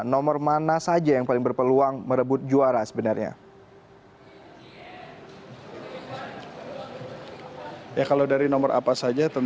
nomor mana saja yang paling berpeluang merebut ganda campuran